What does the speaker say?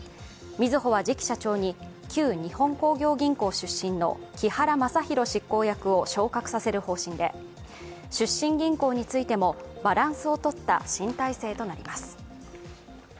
みずほは、次期社長に旧日本興業銀行出身の木原正裕執行役を昇格させる方針で、出身銀行についてもバランスを取った新体制となります。